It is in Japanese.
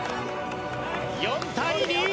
４対２！